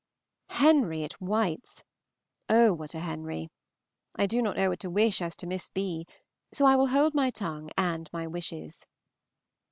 Henry at White's! Oh, what a Henry! I do not know what to wish as to Miss B., so I will hold my tongue and my wishes.